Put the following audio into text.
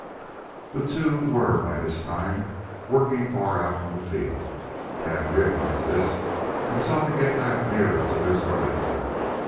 The two were, by this time, working far out on the field. Tad realized this and sought to get back nearer to their starting point.